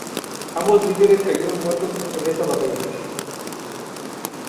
Ambos líderes cayeron muertos en esta batalla.